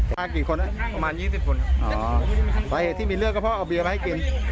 มากี่คนประมาณยี่สิบคนครับอ๋อสาเหตุที่มีเรื่องก็เพราะเอาเบียมาให้กิน